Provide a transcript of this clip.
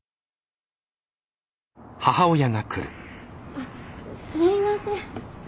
あっすいません。